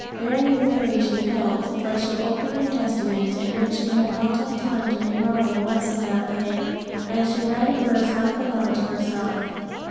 Very weary she felt, but she opened her Testament, in which she had not had time to give Robin a lesson that day, and she read a verse half aloud to herself.